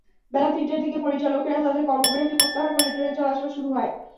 বেলা তিনটার দিকে পরিচালকেরা তাঁদের কর্মবিরতি প্রত্যাহার করলে ট্রেন চলাচল শুরু হয়।